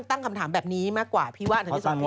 ตั้งคำถามแบบนี้มากกว่าพี่ว่า